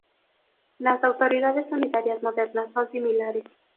Las autoridades unitarias modernas son similares.